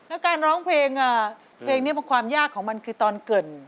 แล้วการร้องเพลงเพลงนี้ความยากของมันคือตอนเกิด